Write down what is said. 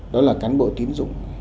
đó là cán bộ tín dụng